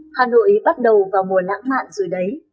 hà nội bắt đầu vào mùa lãng mạn rồi đấy